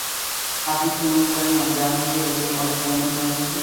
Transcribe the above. আপনি কি অনুভব করেন না যে আপনাকে অতি অল্প জ্ঞানই দেয়া হয়েছে।